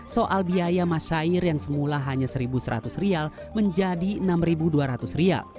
soal biaya masyair yang semula hanya rp satu seratus menjadi rp enam dua ratus